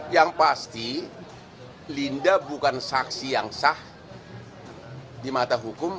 yang pasti linda bukan saksi yang sah di mata hukum